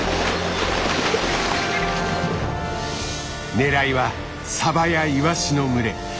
狙いはサバやイワシの群れ。